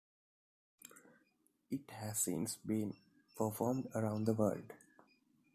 It has since been performed around the world.